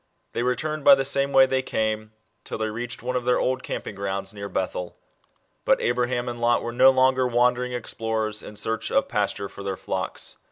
They returned by the same way they came, till they reached one of their old camping grounds near Bethel. But Abraham and Lot were no longer wandering explorers, in search of pasture for their flocks.